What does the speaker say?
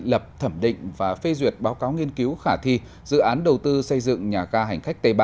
lập thẩm định và phê duyệt báo cáo nghiên cứu khả thi dự án đầu tư xây dựng nhà ga hành khách t ba